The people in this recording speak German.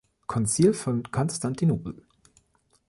Konzil von Konstantinopel.